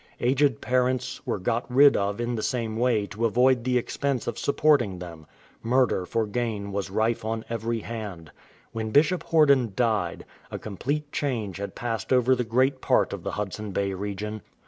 Aged parents were got rid of in the same way to avoid the expense of supporting them. Murder for gain was rife on every hand. When Bishop Horden died, a com plete change had passed over the great part of the Hudson Bay region.